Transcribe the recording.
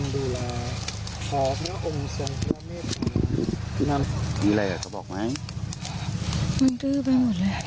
ดูแลพอพี่น้ำมีอะไรก็บอกไหมมันดื้อไปหมดเลย